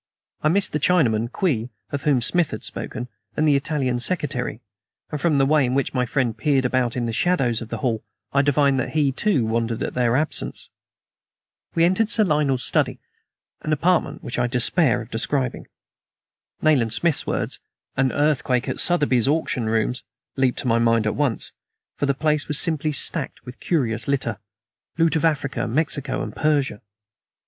I missed the Chinaman, Kwee, of whom Smith had spoken, and the Italian secretary; and from the way in which my friend peered about the shadows of the hall I divined that he, too, wondered at their absence. We entered Sir Lionel's study an apartment which I despair of describing. Nayland Smith's words, "an earthquake at Sotheby's auction rooms," leaped to my mind at once; for the place was simply stacked with curious litter loot of Africa, Mexico and Persia.